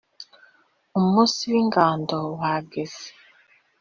umunsi w’ingando wageze